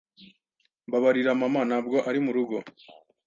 Mbabarira, mama ntabwo ari murugo.